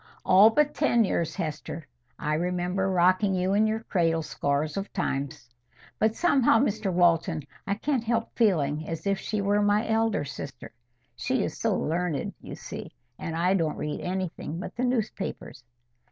"All but ten years, Hester. I remember rocking you in your cradle scores of times. But somehow, Mr Walton, I can't help feeling as if she were my elder sister. She is so learned, you see; and I don't read anything but the newspapers."